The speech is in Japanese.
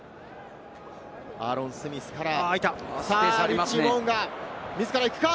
アーロン・スミスから、リッチー・モウンガ、自ら行くか？